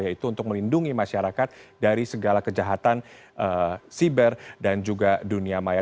yaitu untuk melindungi masyarakat dari segala kejahatan siber dan juga dunia maya